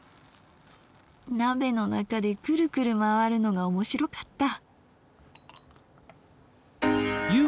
鍋の中でクルクル回るのが面白かった。